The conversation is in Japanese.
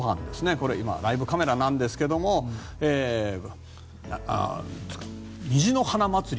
これは今ライブカメラなんですが虹の花まつり。